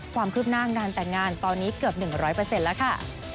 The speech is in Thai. ความคืบหน้างานแต่งงานตอนนี้เกือบ๑๐๐แล้วค่ะ